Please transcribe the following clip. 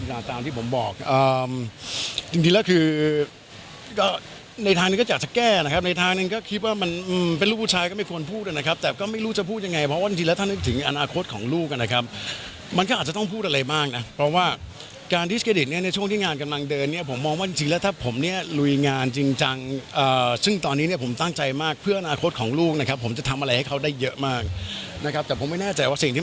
จริงแล้วคือในทางนี้ก็อยากจะแก้นะครับในทางนี้ก็คิดว่ามันเป็นลูกผู้ชายก็ไม่ควรพูดนะครับแต่ก็ไม่รู้จะพูดยังไงเพราะว่าจริงแล้วถ้านึกถึงอนาคตของลูกนะครับมันก็อาจจะต้องพูดอะไรบ้างนะเพราะว่าการดิสเครดิตเนี่ยในช่วงที่งานกำลังเดินเนี่ยผมมองว่าจริงแล้วถ้าผมเนี่ยลุยงานจริงจังซึ่งต